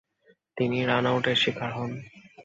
তিনি রান-আউটের শিকার হন।